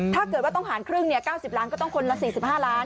ถ้าเกิดว่าต้องหารครึ่ง๙๐ล้านก็ต้องคนละ๔๕ล้าน